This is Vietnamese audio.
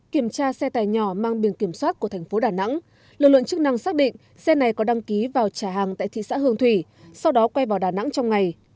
kiểm tra xe tài nhỏ mang biển kiểm soát của thành phố đà nẵng lực lượng chức năng xác định xe này có đăng ký vào trả hàng tại thị xã hương thủy sau đó quay vào đà nẵng trong ngày